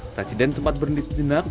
presiden sempat berhenti sejenak